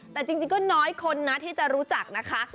แต่จริงก็น้อยคนนะที่จะรู้จักนะคะ